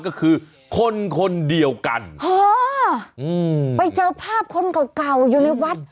ก็คือคนคนเดียวกันอ๋ออืมไปเจอภาพคนเก่าเก่าอยู่ในวัด